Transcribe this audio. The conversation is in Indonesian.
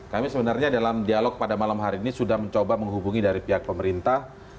kami sebenarnya dalam dialog pada malam hari ini sudah mencoba menghubungi dari pihak pemerintah